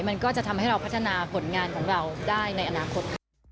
มันก็จะทำให้เราพัฒนาผลงานของเราได้ในอนาคต